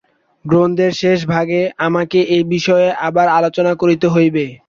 গ্রন্থের শেষ ভাগে আমাকে এ বিষয়ে আবার আলোচনা করিতে হইবে।